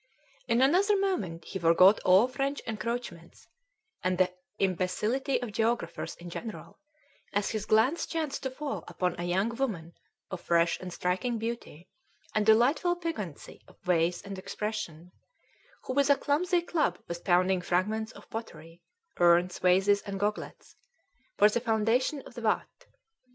In another moment he forgot all French encroachments, and the imbecility of geographers in general, as his glance chanced to fall upon a young woman of fresh and striking beauty, and delightful piquancy of ways and expression, who with a clumsy club was pounding fragments of pottery urns, vases, and goglets for the foundation of the _watt.